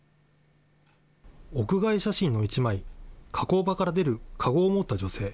屋外写真の一枚、加工場から出るカゴを持った女性。